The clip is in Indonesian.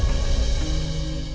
nah yang penting tuh